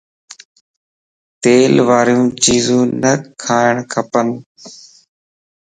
تيل واريون چيزون نه کاڻ کپ